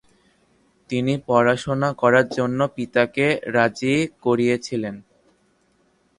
তিনি পড়াশোনা করার জন্য পিতাকে রাজি করিয়েছিলেন।